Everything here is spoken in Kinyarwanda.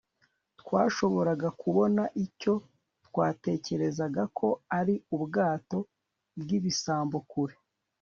twashoboraga kubona icyo twatekerezaga ko ari ubwato bwibisambo kure